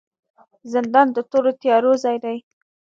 زندان د تورو تیارو ځای دی